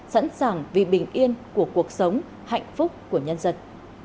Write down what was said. sẵn sàng vì bình yên của cuộc sống hạnh phúc của nhân dân